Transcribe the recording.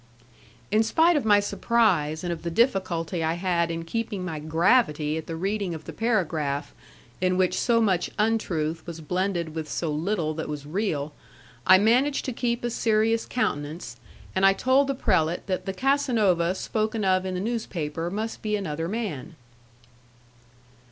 In spite of my surprise, and of the difficulty I had in keeping my gravity at the reading of the paragraph, in which so much untruth was blended with so little that was real, I managed to keep a serious countenance, and I told the prelate that the Casanova spoken of in the newspaper must be another man.